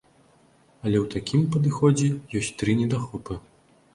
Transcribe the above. Але ў такім падыходзе ёсць тры недахопы.